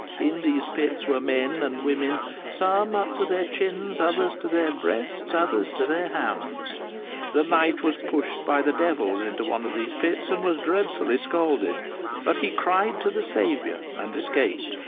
In these pits were men and women, some up to their chins, others to their breasts, others to their hams. The knight was pushed by the devils into one of these pits and was dreadfully scalded, but he cried to the Savior and escaped.